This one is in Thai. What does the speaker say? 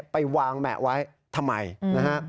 ไปวางแหมะไว้ทำไมนะฮะ